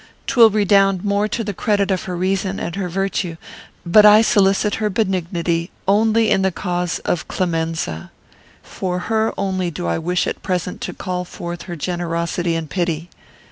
'Twill redound more to the credit of her reason and her virtue. But I solicit her benignity only in the cause of Clemenza. For her only do I wish at present to call forth her generosity and pity."